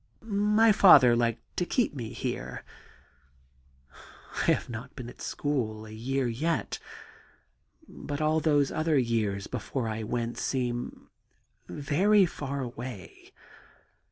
* My father liked to have me here ... I have not been at school a year yet .•. but all those other years before I went seem very far away.